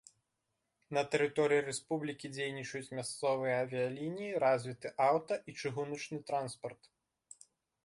На тэрыторыі рэспублікі дзейнічаюць мясцовыя авіялініі, развіты аўта- і чыгуначны транспарт.